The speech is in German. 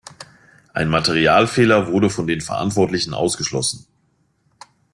Ein Materialfehler wurde von den Verantwortlichen ausgeschlossen.